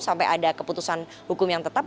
sampai ada keputusan hukum yang tetap